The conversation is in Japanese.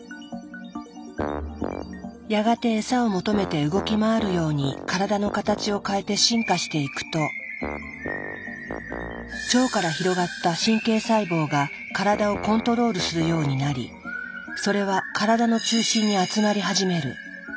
やがてエサを求めて動き回るように体の形を変えて進化していくと腸から広がった神経細胞が体をコントロールするようになりそれは体の中心に集まり始める。